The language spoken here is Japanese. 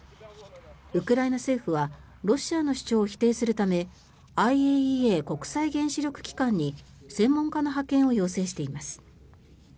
ウクライナ政府はロシアの主張を否定するためＩＡＥＡ・国際原子力機関に専門家の派遣を要請しています。